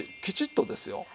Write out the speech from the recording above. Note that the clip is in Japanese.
きちっとですよ。